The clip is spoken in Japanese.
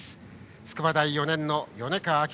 筑波大４年の米川明穂。